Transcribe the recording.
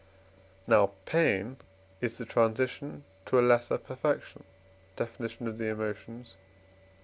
Now pain is the transition to a lesser perfection (Def. of the Emotions, iii.)